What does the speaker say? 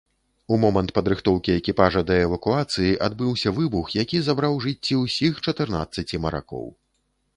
У момант падрыхтоўкі экіпажа да эвакуацыі адбыўся выбух, які забраў жыцці ўсіх чатырнаццаці маракоў.